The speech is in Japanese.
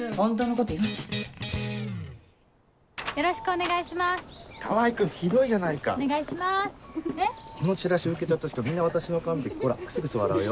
このチラシを受け取った人みんな私の顔を見てほらクスクス笑うよ